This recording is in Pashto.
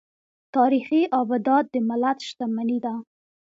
تاریخي ابدات د ملت شتمني ده.